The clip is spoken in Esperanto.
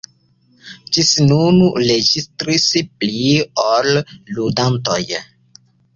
Ĝis nun registris pli ol ludantoj.